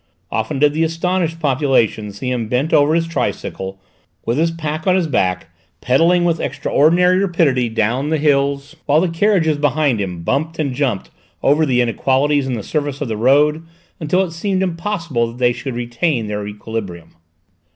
Often did the astonished population see him bent over his tricycle, with his pack on his back, pedalling with extraordinary rapidity down the hills, while the carriages behind him bumped and jumped over the inequalities in the surface of the road until it seemed impossible that they could retain their equilibrium.